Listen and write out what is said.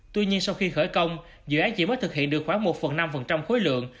tuy nhiên sau khi khởi công dự án chỉ mới thực hiện được khoảng một phần năm khối lượng